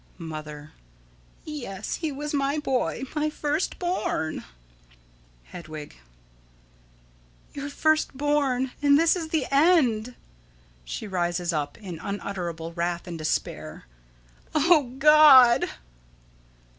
Mother: Yes, he was my boy my first born. Hedwig: Your first born, and this is the end. [She rises up in unutterable wrath and despair.] O God!